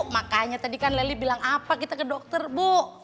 makanya tadi kan lely bilang apa kita ke dokter bu